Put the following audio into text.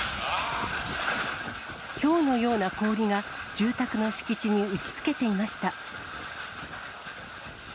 ひょうのような氷が、住宅の敷地に打ちつけていました。